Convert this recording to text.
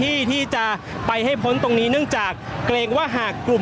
ก็น่าจะมีการเปิดทางให้รถพยาบาลเคลื่อนต่อไปนะครับ